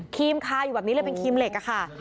รีมคาอยู่แบบนี้เลยเป็นครีมเหล็กอะค่ะ